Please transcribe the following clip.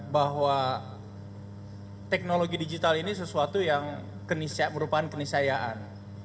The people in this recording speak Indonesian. bahwa teknologi digital ini sesuatu yang merupakan kenisayaan